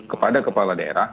kepada kepala daerah